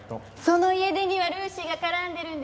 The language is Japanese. その家出にはルーシーが絡んでるんでしょ？